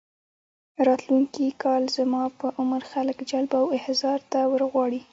راتلونکي کال زما په عمر خلک جلب او احضار ته ورغواړي.